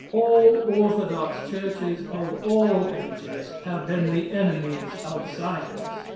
All orthodox churches of all ages have been the enemies of science.